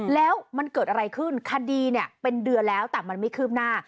แล้วมันเกิดอะไรขึ้นคดีเนี่ยเป็นเดือนแล้วแต่มันไม่คืบหน้า